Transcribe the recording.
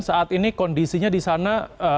saat ini kondisinya di sana